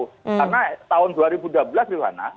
karena tahun dua ribu dua belas di mana